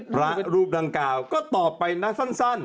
พระรูปดังกล่าวก็ตอบไปนะสั้น